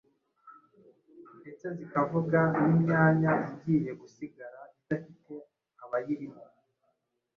ndetse zikavuga n’imyanya igiye gusigara idafite abayirimo.